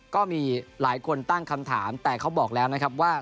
ก็มีหลายคนตั้งคำถามแต่เขาบอกแล้วนะครับว่า